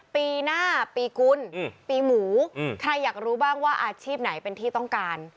ปีหน้าปีกุลปีหมูใครอยากรู้บ้างว่าอาชีพไหนเป็นที่ต้องการ